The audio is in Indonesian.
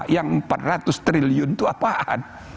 yang empat ratus triliun itu apaan